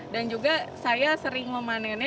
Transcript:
dan juga saya sering memanennya